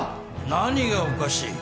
何がおかしい？